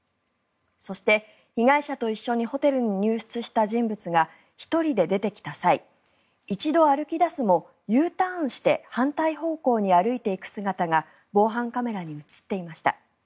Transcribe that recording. そして、被害者と一緒にホテルに入室した人物が１人で出てきた際一度歩き出すもＵターンして反対方向に歩いていく姿が防犯カメラに映っていました。